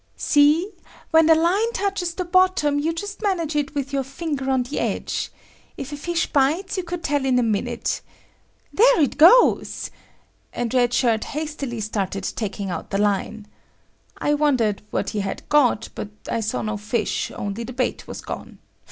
"See? When the line touches the bottom, you just manage it with your finger on the edge. If a fish bites, you could tell in a minute. There it goes," and Red Shirt hastily started taking out the line. I wondered what he had got, but I saw no fish, only the bait was gone.